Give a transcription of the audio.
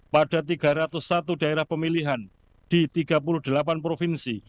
pada tiga ratus satu daerah pemilihan di tiga puluh delapan provinsi